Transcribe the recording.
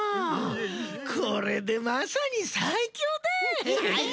これでまさにさいきょうだい。